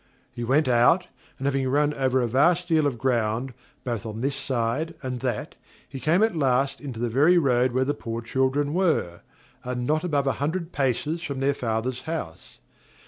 He went out; and, having run over a vast deal of ground, both on this side and that, he came at last into the very road where the poor children were, and not above a hundred paces from their father's house.